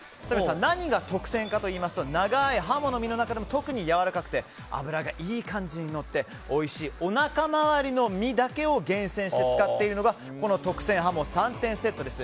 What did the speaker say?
何が特選かと言いますと長いハモの身の中でも特にやわらかくて脂がいい感じにのっておいしいおなか周りの身だけを厳選して使っているのがこの特選はも３点セットです。